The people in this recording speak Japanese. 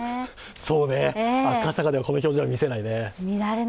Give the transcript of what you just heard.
そうね、赤坂ではこの表情は見せないね。